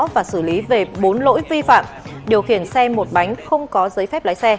và xử lý về bốn lỗi vi phạm điều khiển xe một bánh không có giấy phép lái xe